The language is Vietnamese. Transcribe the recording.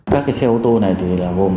các xe ô tô này gồm